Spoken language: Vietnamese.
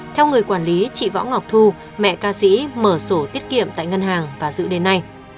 theo người quản lý chị võ ngọc thu mẹ ca sĩ mở sổ tiết kiệm tại ngân hàng và dự đến nay